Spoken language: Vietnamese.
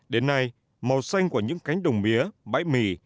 đến nay màu xanh của những cánh đồng mía bãi mì